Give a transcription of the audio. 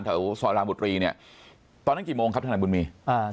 เถอะสอยราบุตรีเนี่ยตอนนั้นกี่โมงครับทางไหนบนมี